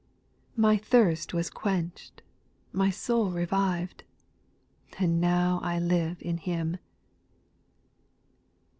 My thirst was qucnchM, my soul revived, And now I live in Him.